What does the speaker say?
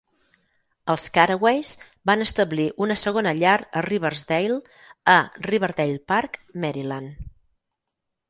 Els Caraways van establir una segona llar a Riversdale a Riverdale Park, Maryland.